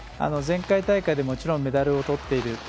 前回大会で、もちろんメダルをとっている。